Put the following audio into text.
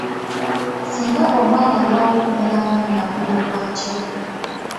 Singa omwana alwawo okumera amannyo akolebwa atya?